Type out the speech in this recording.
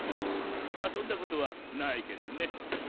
「あそんだことはないけどね」